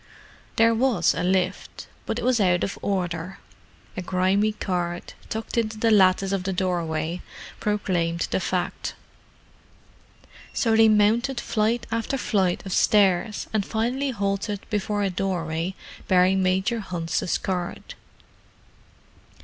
There was a lift, but it was out of order; a grimy card, tucked into the lattice of the doorway, proclaimed the fact. So they mounted flight after flight of stairs, and finally halted before a doorway bearing Major Hunt's card.